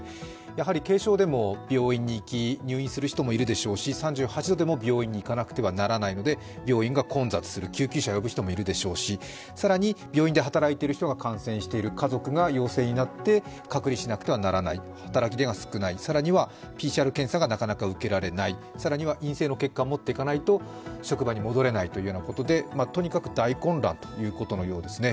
やはり軽症でも病院に行き、入院する人もいるでしょうし３８度でも病院に行かなくてはならないので、病院が混雑する、救急車を呼ぶ人もいるでしょうし、更に病院で働いている人が感染している、家族が陽性になって隔離しなくてはならない、働き手が少ない、更にはＰＣＲ検査がなかなか受けられない、更には陰性の結果を持っていかないと職場に戻れないということでとにかく大混乱ということのようですね。